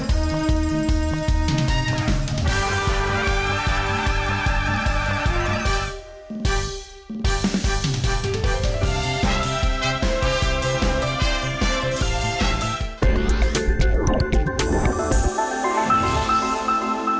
สวัสดีค่ะ